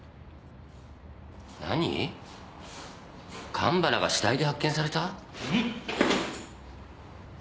神原が死体で発見された？